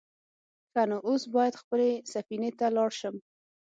_ښه نو، اوس بايد خپلې سفينې ته لاړ شم.